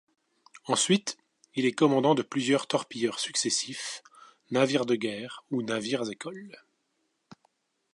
Ensuite, il est commandant de plusieurs torpilleurs successifs, navires de guerre ou navires écoles.